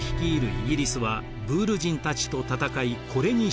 イギリスはブール人たちと戦いこれに勝利。